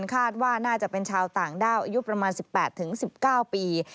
คาดว่าน่าจะเป็นชาวต่างด้าวอายุประมาณ๑๘๑๙ปี